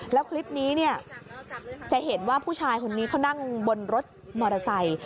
แล้วคลิปนี้เนี่ยจะเห็นว่าผู้ชายคนนี้เขานั่งบนรถมอเตอร์ไซค์